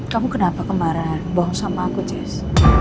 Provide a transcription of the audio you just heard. kamu kenapa kemarin bohong sama aku jess